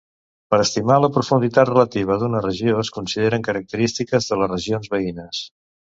Per estimar la profunditat relativa d’una regió es consideren característiques de les regions veïnes.